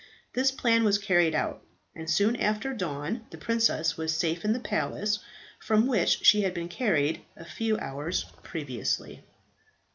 This plan was carried out, and soon after dawn the princess was safe in the palace from which she had been carried a few hours previously.